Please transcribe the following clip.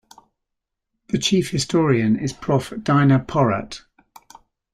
The Chief Historian is Prof. Dina Porat.